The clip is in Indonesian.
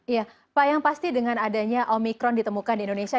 iya pak yang pasti dengan adanya omikron ditemukan di indonesia